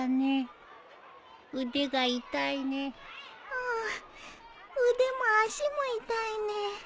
うん腕も足も痛いね。